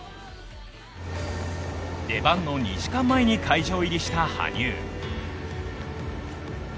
出番の２時間前に会場入りした羽生。